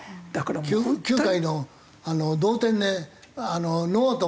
９回の同点でノーアウト満塁かな？